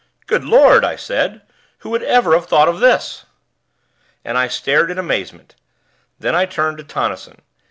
"Good Lord!" I said, "who ever would have thought of this?" And I stared in amazement; then I turned to Tonnison.